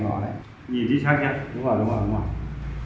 nhìn chính xác nhé